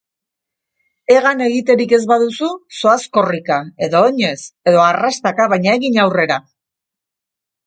Hegan egiterik ez baduzu, zoaz korrika, edo oinez, edo arrastaka baina egin aurrera!